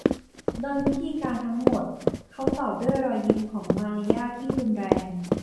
โดยวิธีการทั้งหมดเขาตอบด้วยรอยยิ้มของมารยาทที่รุนแรง